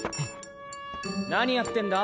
何やってんだ？